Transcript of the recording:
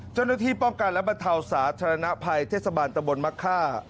เจ้าหน้าที่ป้องกันและบรรเทาสาธารณภัยเทศบาลตะบนมะค่า